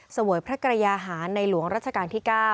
เสวยพระกรยาหารในหลวงรัชกาลที่๙